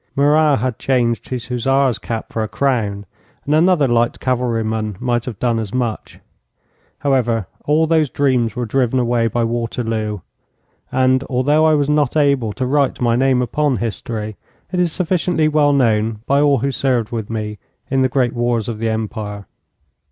Murat had changed his hussar's cap for a crown, and another light cavalry man might have done as much. However, all those dreams were driven away by Waterloo, and, although I was not able to write my name upon history, it is sufficiently well known by all who served with me in the great wars of the Empire.